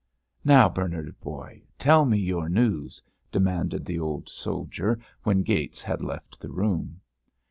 "Now, Bernard, boy, tell me your news!" demanded the old soldier, when Gates had left the room.